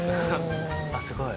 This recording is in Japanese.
あっすごい。